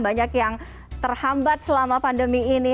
banyak yang terhambat selama pandemi ini